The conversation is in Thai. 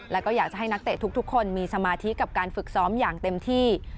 แล้วก็อยากจะให้นักเตะทุกคนมีสมาธิกับการฝึกซ้อมอย่างเต็มที่